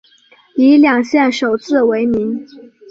以两县首字为名。